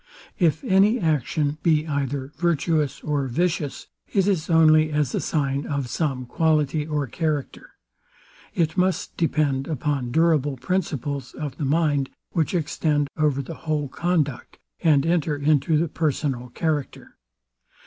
If any action be either virtuous or vicious, it is only as a sign of some quality or character. It must depend upon durable principles of the mind, which extend over the whole conduct, and enter into the personal character.